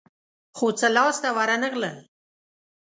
خو څه لاس ته ورنه غلل.